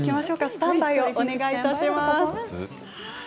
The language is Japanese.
スタンバイをお願いします。